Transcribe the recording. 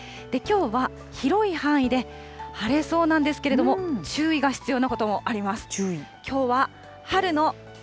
きょうは広い範囲で晴れそうなんですけれども、注意が必要なこともあります。